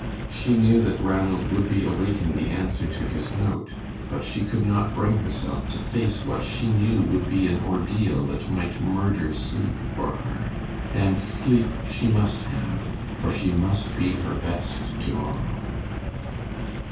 She knew that Ranald would be awaiting the answer to his note, but she could not bring herself to face what she knew would be an ordeal that might murder sleep for her, and sleep she must have, for she must be her best to morrow.